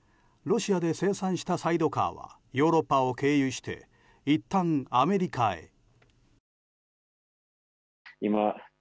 ロシアで生産したサイドカーはヨーロッパを経由していったんアメリカへ。